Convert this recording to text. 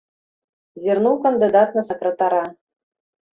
Зірнуў кандыдат на сакратара.